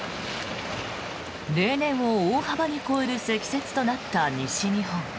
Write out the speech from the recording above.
例年を大幅に超える積雪となった西日本。